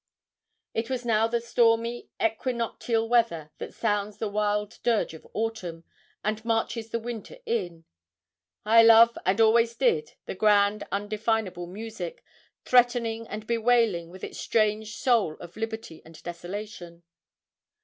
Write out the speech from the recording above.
It was now the stormy equinoctial weather that sounds the wild dirge of autumn, and marches the winter in. I love, and always did, that grand undefinable music, threatening and bewailing, with its strange soul of liberty and desolation.